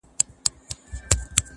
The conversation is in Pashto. هر څوک خپله کيسه وايي تل,